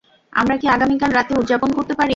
আমরা কি আগামীকাল রাতে উদযাপন করতে পারি?